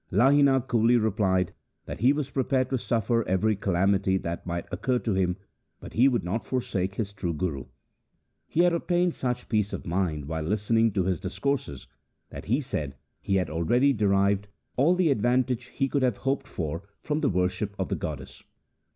Lahina coolly replied that he was prepared to suffer every calamity that might occur to him, but he would not forsake his true Guru. He had obtained such peace of mind while listening to his discourses, that he said he had already derived all the advantage iie could have hoped for from the worship of the goddess.